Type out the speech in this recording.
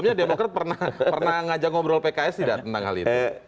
pak jokert pernah ngajak ngobrol pks tidak tentang hal itu